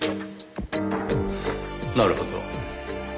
なるほど。